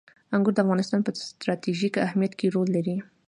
انګور د افغانستان په ستراتیژیک اهمیت کې رول لري.